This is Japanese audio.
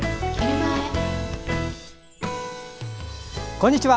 こんにちは。